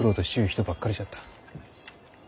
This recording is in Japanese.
人ばっかりじゃった。